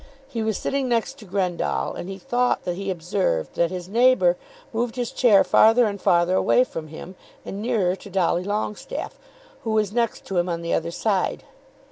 He was sitting next to Grendall, and he thought that he observed that his neighbour moved his chair farther and farther away from him, and nearer to Dolly Longestaffe, who was next to him on the other side.